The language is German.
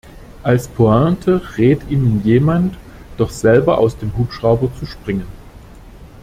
Als Pointe rät Ihnen jemand, doch selber aus dem Hubschrauber zu springen.